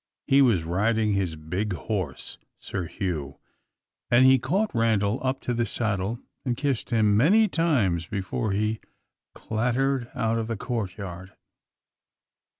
He was riding his big horse, Sir Hugh, and he caught Randal up to the saddle and kissed him many times before he clattered out of the courtyard.